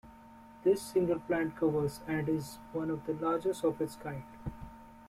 This single plant covers and is one of the largest of its kind.